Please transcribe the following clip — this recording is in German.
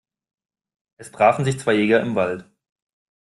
Es trafen sich zwei Jäger im Wald.